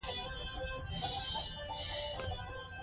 د وږو تږو د لاسنیوي سندرې ویل کېدې.